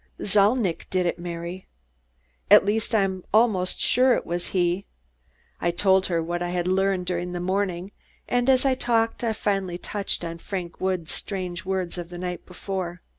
"Zalnitch did it, Mary. At least, I'm almost sure it was he." I told her what I had learned during the morning, and as I talked, I finally touched on Frank Woods' strange words of the night before.